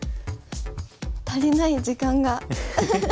足りない時間が。